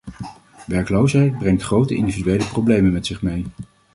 Werkloosheid brengt grote individuele problemen met zich mee.